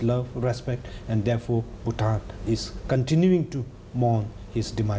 และมีความรับรักและอาจราวปุฏิยังคงอยู่ในลักษณะนี้